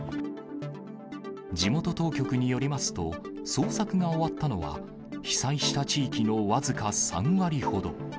地元当局によりますと、捜索が終わったのは、被災した地域の僅か３割ほど。